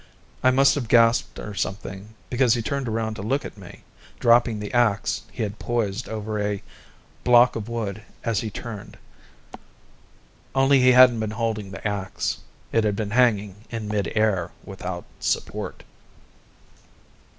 I must have gasped or something, because he turned around to look at me, dropping the axe he had poised over a block of wood as he turned. Only he hadn't been holding the axe; it had been hanging in mid air without support.